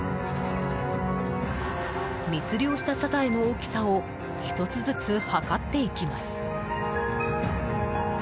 密漁したサザエの大きさを１つずつ測っていきます。